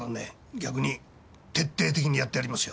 逆に徹底的にやってやりますよ。